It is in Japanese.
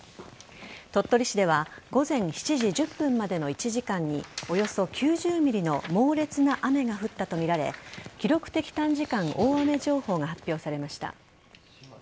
鳥取市では午前７時１０分までの１時間におよそ９０ｍｍの猛烈な雨が降ったとみられ記録的短時間大雨情報が発表されました。